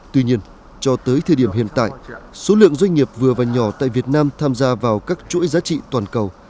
tuy nhiên cho tới thời điểm hiện tại số lượng doanh nghiệp vừa và nhỏ tại việt nam tham gia vào các chuỗi giá trị toàn cầu